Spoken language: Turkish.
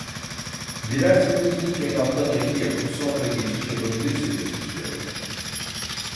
Dilerseniz ilk etapta nakil yapıp sonra geçiş yapabilirsiniz bizlere